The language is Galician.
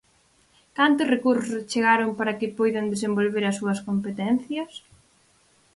¿Cantos recursos se achegaron para que poidan desenvolver as súas competencias?